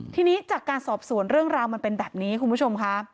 ทีนี้จากการสอบสวนเรื่องราวมันเป็นแบบนี้คุณผู้ชมค่ะ